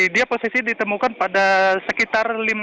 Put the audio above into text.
dia posisi ditemukan pada sekitar